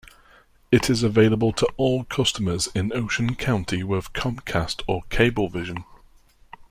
It is available to all customers in Ocean County with Comcast or Cablevision.